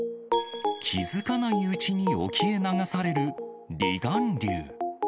気付かないうちに沖へ流される離岸流。